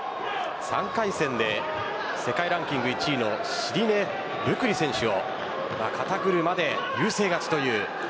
３回戦で世界ランキング１位のシリーネ・ブクリ選手を肩車で優勢勝ちという。